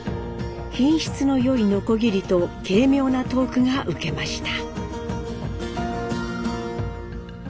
品質の良いノコギリと軽妙なトークが受けました。